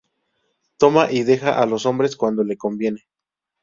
Toma y deja a los hombres cuando le conviene.